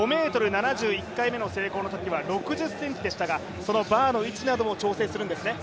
５ｍ７０の１回目の成功のときは６０ｃｍでしたが、そのバーの位置なども調整するんですね。